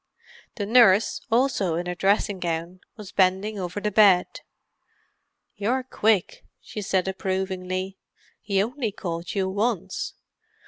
The nurse, also in her dressing gown, was bending over the bed. "You're quick," she said approvingly. "He only called you once.